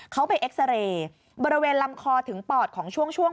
เขาไปเอ็กซาเรย์บริเวณลำคอถึงปอดของช่วง